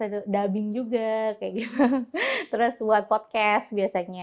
dubbing juga buat podcast biasanya